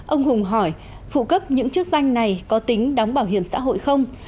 ông hùng hỏi phụ cấp những chức danh này có tính đóng bảo hiểm xã hội không